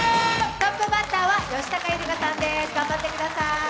トップバッターは吉高由里子さんです、頑張ってください。